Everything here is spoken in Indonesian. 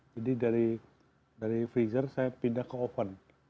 jadi dari freezer saya pindah ke oven